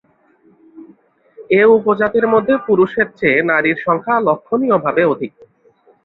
এ উপজাতির মধ্যে পুরুষের চেয়ে নারীর সংখ্যা লক্ষণীয়ভাবে অধিক।